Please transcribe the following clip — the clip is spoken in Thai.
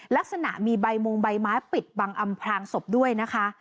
ลักษณะมีใบมงใบไม้ปิดบังอำพลางศพด้วยนะคะ